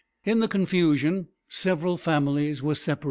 In the confusion several families were separated.